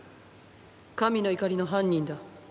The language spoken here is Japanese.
神の怒りの犯人だ。